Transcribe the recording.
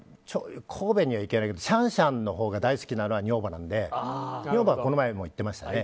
神戸には行けないけどシャンシャンが大好きなのは女房なので女房はこの前も行ってました。